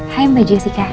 hai mbak jessica